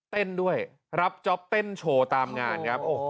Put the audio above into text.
เต้นด้วยรับจ๊อปเต้นโชว์ตามงานครับ